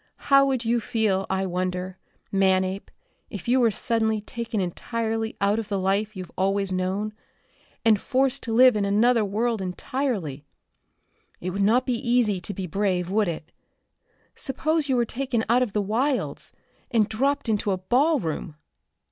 How would you feel, I wonder, Manape, if you were suddenly taken entirely out of the life you've always known, and forced to live in another world entirely? It would not be easy to be brave, would it? Suppose you were taken out of the wilds and dropped into a ballroom?"